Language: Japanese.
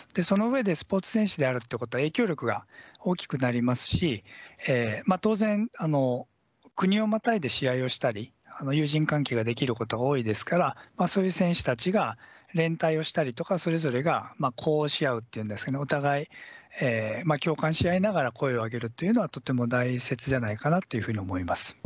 その上でスポーツ選手であるということは影響力が大きくなりますし当然、国をまたいで試合をしたり友人関係ができることが多いですからそういう選手たちが連帯をしたりとかそれぞれが呼応し合うというんですかねお互い、共感し合いながら声を上げるというのはとても大切じゃないかなというふうに思います。